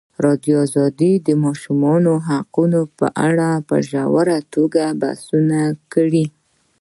ازادي راډیو د د ماشومانو حقونه په اړه په ژوره توګه بحثونه کړي.